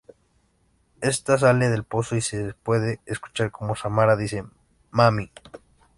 Esta sale del pozo y se puede escuchar cómo Samara dice "¡Mami!